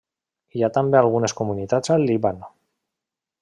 Hi ha també algunes comunitats al Líban.